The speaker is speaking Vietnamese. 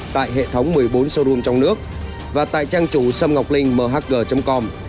tại hệ thống một mươi bốn showroom trong nước và tại trang chủ xăm ngọc linh mhg com